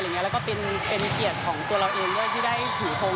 และมันเป็นเอ้ยเกลียดของตัวเราเองด้วยถือทง